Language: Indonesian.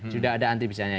sudah ada anti bisanya